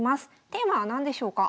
テーマは何でしょうか？